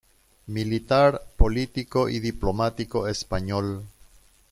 Militar, político y diplomático español.